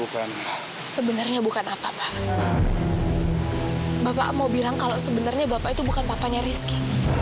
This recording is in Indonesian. karena kalau bapak memang bukan bapaknya rizky